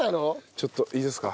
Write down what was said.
ちょっといいですか？